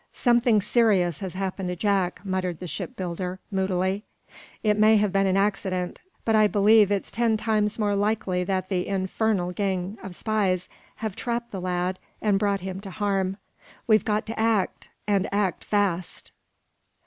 "Something serious has happened to Jack," muttered the shipbuilder, moodily. "It may have been an accident, but I believe it's ten times more likely that that infernal gang of spies have trapped the lad and brought harm to him. We've got to act, and act fast!"